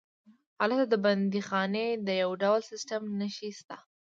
هلته د بندیخانې د یو ډول سیسټم نښې شته.